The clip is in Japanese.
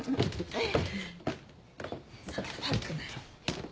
はい。